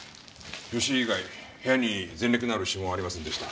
吉井以外部屋に前歴のある指紋はありませんでした。